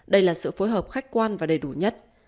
đây là sự phối hợp khách quan và đầy đủ nhất